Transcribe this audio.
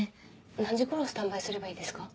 何時ごろスタンバイすればいいですか？